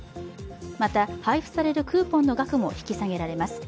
また、配布されるクーポンの額も引き下げられます。